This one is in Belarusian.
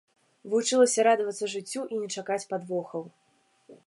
Вучылася радавацца жыццю і не чакаць падвохаў.